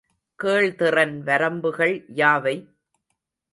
கேள்திறன் வரம்புகள் யாவை?